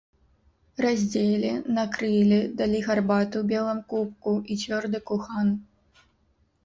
Раздзелі, накрылі, далі гарбаты ў белым кубку і цвёрды кухан.